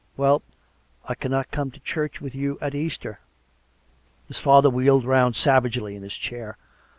''"" Well, I cannot come to the church with you at Easter." His father wheeled round savagely in his chair.